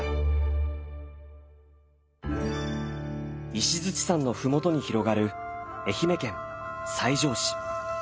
石山の麓に広がる愛媛県西条市。